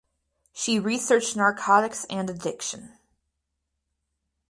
She researched narcotics and addiction.